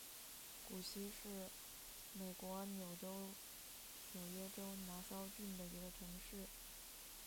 谷溪是美国纽约州拿骚郡的一个城市。